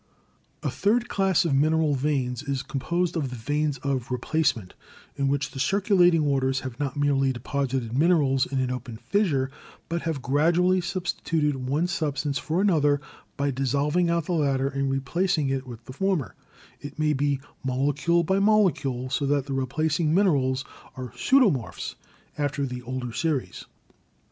A third class of mineral veins is composed of the veins of replacement, in which the circulating waters have not merely deposited minerals in an open fissure but have gradually substituted one substance for another by dis solving out the latter and replacing it with the former, it may be molecule by molecule, so that the replacing min erals are pseudomorphs after the older series.